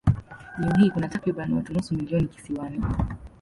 Leo hii kuna takriban watu nusu milioni kisiwani.